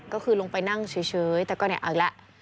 ก็คือลงไปนั่งเฉยแต่ก็เนี่ยเอาอีกแล้ว